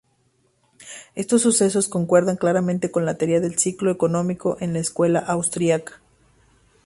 Estos sucesos concuerdan claramente con la Teoría del ciclo económico en la Escuela Austriaca.